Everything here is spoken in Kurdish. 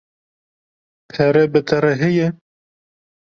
Pere bi te re heye?